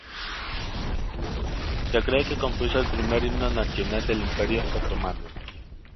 Se cree que compuso el primer himno nacional del Imperio otomano.